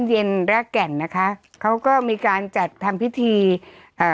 เย็นรากแก่นนะคะเขาก็มีการจัดทำพิธีเอ่อ